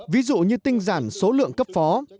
ví dụ như tinh giản số lượng cấp phó